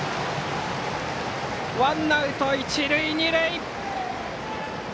ワンアウト、一塁二塁！